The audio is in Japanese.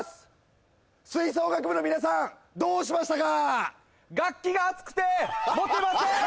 吹奏楽部の皆さんどうしましたか？